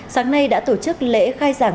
sáng nay đã tổ chức lễ khai giảng